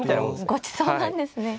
ごちそうなんですね。